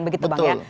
begitu bang ya